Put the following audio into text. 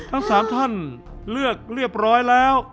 ทั้ง๓ท่านเลือกเรียบร้อยแล้ว